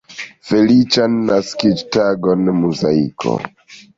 Feliĉan naskiĝtagon Muzaiko!